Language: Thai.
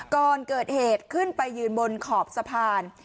ก่อนเกิดเหตุขึ้นไปยืนบนขอบสะพาน